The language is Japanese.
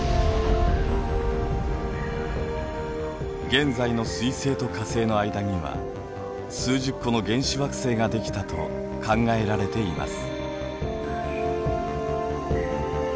現在の水星と火星の間には数十個の原始惑星ができたと考えられています。